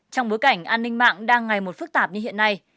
trong bối cảnh an ninh mạng đang ngày một phức tạp như hiện nay